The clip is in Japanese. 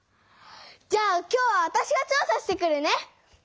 じゃあ今日はわたしが調査してくるね！